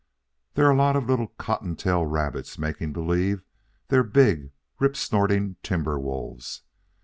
They're a lot of little cottontail rabbits making believe they're big rip snorting timber wolves.